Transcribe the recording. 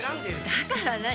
だから何？